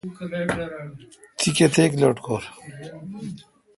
تی کتیک لٹکور؟